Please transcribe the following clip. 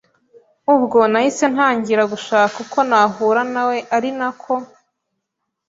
Ubwo nahise ntangira gushaka uko nahura na we ari nako